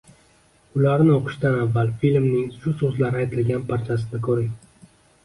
Ularni o’qishdan avval filmning shu so’zlar aytilgan parchasini ko’ring